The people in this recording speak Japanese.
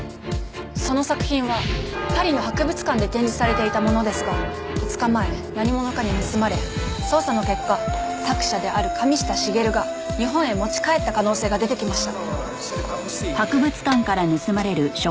その作品はパリの博物館で展示されていたものですが２日前何者かに盗まれ捜査の結果作者である神下茂が日本へ持ち帰った可能性が出てきました。